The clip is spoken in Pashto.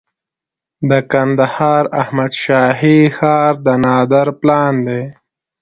د کندهار احمد شاهي ښار د نادر پلان دی